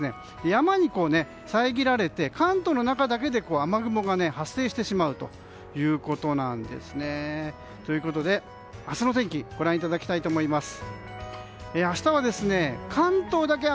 山に遮られて関東の中だけで雨雲が発生してしまうということなんですね。ということで、明日の天気ご覧いただきたいと思います。